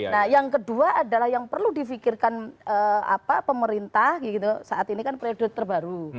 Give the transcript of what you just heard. nah yang kedua adalah yang perlu difikirkan pemerintah saat ini kan periode terbaru